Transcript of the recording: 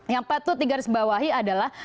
yang patut digarisbawahi adalah